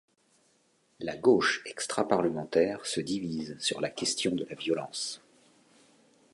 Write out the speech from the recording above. La gauche extra-parlementaire se divise sur la question de la violence.